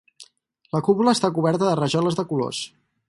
La cúpula està coberta de rajoles de colors.